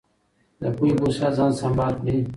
د پوهې په وسله ځان سمبال کړئ.